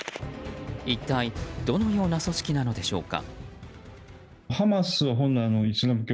一体どのような組織なのでしょうか。